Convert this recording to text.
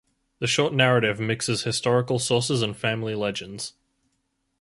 The short narrative mixes historical sources and family legends.